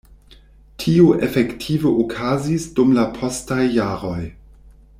Tio efektive okazis dum la postaj jaroj.